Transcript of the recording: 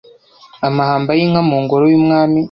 amahamba y’ inka mu ngoro y’umwami